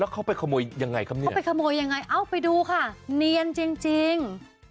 เขาไปขโมยยังไงครับเนี่ยเขาไปขโมยยังไงเอ้าไปดูค่ะเนียนจริง